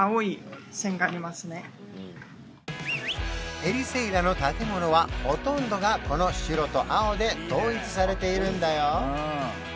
エリセイラの建物はほとんどがこの白と青で統一されているんだよ